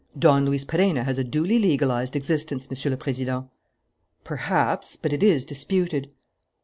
"Don Luis Perenna has a duly legalized existence, Monsieur le President." "Perhaps. But it is disputed."